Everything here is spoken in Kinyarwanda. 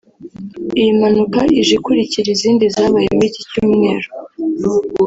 Iyi mpanuka ije ikurikira izindi zabaye muri iki cyumweru